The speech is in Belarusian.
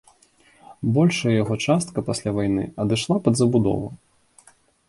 Большая яго частка пасля вайны адышла пад забудову.